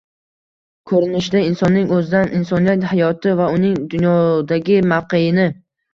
ko‘rinishda – insonning o‘zidan, insoniyat hayoti va uning dunyodagi mavqeini